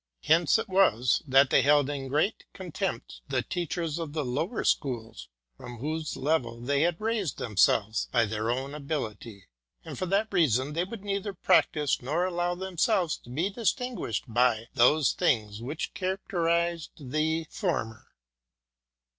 Hence it was, that they held in great con tempt the teachers of the lower schools, from whose level they had raised themselves by their own ability; and for OF ACADEMICAL FREEDOM. 175 that reason they would neither practise, nor allow themselves to be distinguished by, those things which characterized the former.